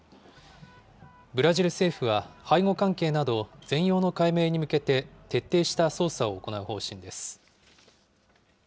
ブラジル政府は背後関係など、全容の解明に向けて、徹底した捜査を行う方針です。